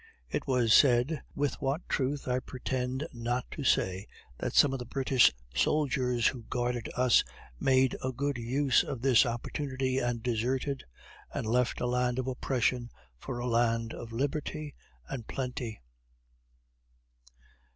It was said, with what truth I pretend not to say, that some of the British soldiers who guarded us made a good use of this opportunity and deserted, and left a land of oppression for a land of liberty and plenty.